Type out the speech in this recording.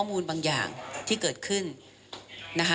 แล้วลูกหลานเดินออกมาบอกคุณว่าขอโทษนะฮะ